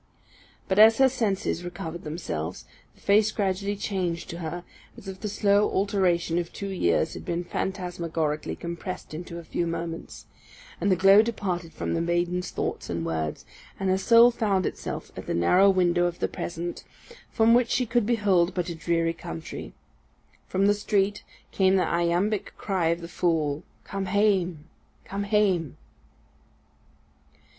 But as her senses recovered themselves, the face gradually changed to her, as if the slow alteration of two years had been phantasmagorically compressed into a few moments; and the glow departed from the maiden's thoughts and words, and her soul found itself at the narrow window of the present, from which she could behold but a dreary country. From the street came the iambic cry of the fool, _"Come hame, come hame."